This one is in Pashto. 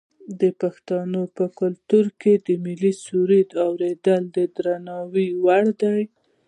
د پښتنو په کلتور کې د ملي سرود اوریدل د درناوي وړ دي.